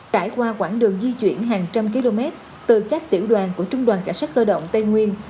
trải qua quãng đường di chuyển hàng trăm km từ các tiểu đoàn của trung đoàn cảnh sát cơ động tây nguyên